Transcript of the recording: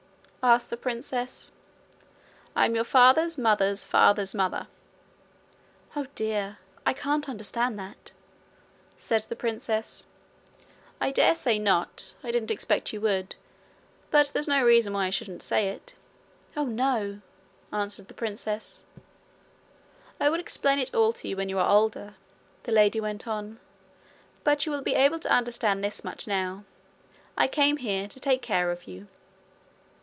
asked the princess. 'I'm your father's mother's father's mother.' 'Oh, dear! I can't understand that,' said the princess. 'I dare say not. I didn't expect you would. But that's no reason why I shouldn't say it.' 'Oh, no!' answered the princess. 'I will explain it all to you when you are older,' the lady went on. 'But you will be able to understand this much now: I came here to take care of you.'